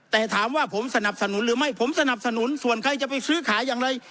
แต่ถามว่าผมสนับสนุนหรือไม่ผมสนับสนุนส่วนใครจะไปซื้อขายอย่างไร